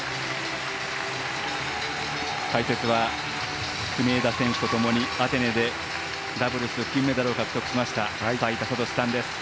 解説は国枝選手とともにアテネでダブルス金メダルを獲得した齋田悟司さんです。